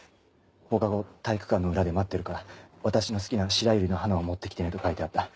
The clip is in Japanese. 「放課後体育館の裏で待ってるから私の好きな白百合の花を持って来てね」と書いてあった。